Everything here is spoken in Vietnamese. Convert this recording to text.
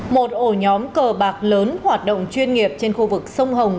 một ổ nhóm cờ bạc lớn hoạt động chuyên nghiệp trên khu vực sông hồng